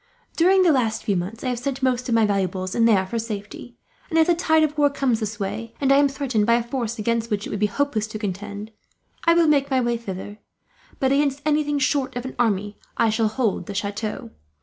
During the last few months, I have sent most of my valuables in there for safety; and if the tide of war comes this way, and I am threatened by a force against which it would be hopeless to contend, I shall make my way thither. "But against anything short of an army, I shall hold the chateau.